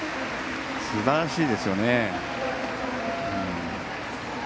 すばらしいですよね。